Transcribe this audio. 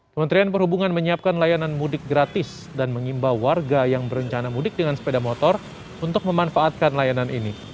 kementerian perhubungan menyiapkan layanan mudik gratis dan mengimbau warga yang berencana mudik dengan sepeda motor untuk memanfaatkan layanan ini